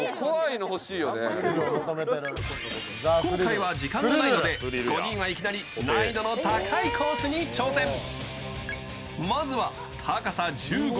今回は時間がないので５人はいきなり難易度の高いコースに挑戦。